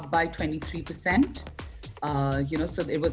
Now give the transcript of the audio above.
peningkatan percobaan untuk pengguna aplikasi kencan